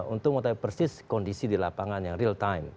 untuk mengetahui persis kondisi di lapangan yang real time